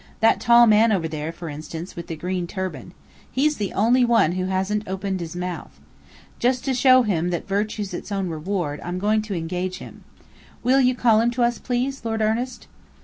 That tall man over there, for instance, with the green turban. He's the only one who hasn't opened his mouth. Just to show him that virtue's its own reward, I'm going to engage him. Will you call him to us, please, Lord Ernest?"